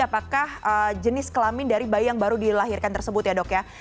apakah jenis kelamin dari bayi yang baru dilahirkan tersebut ya dok ya